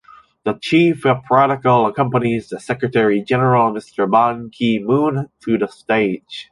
The chief of protocol accompanies the Secretary General Mr. Ban Ki-moon to the stage.